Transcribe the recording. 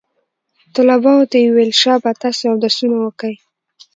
طلباو ته يې وويل شابه تاسې اودسونه وكئ.